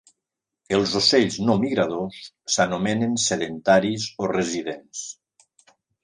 Els ocells no migradors s'anomenen sedentaris o residents.